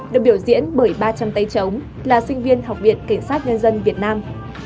được biểu diễn bởi ba trăm linh tay chống là sinh viên học viện cảnh sát nhân dân việt nam